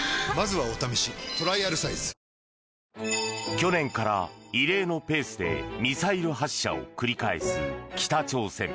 去年から異例のペースでミサイル発射を繰り返す北朝鮮。